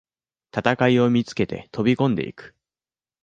戦いを見つけて飛びこんでいく